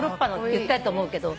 言ったと思うけど。